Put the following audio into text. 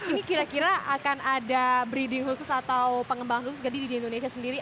ini kira kira akan ada breeding khusus atau pengembangan khusus gedi di indonesia sendiri